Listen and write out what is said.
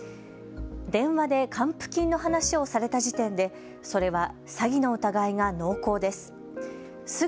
電話で還付金の話をされた時点でそれは詐欺の疑いが濃厚です。